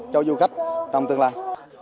cho du khách trong tương lai